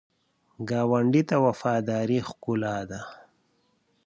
ګاونډي ته وفاداري ښکلا ده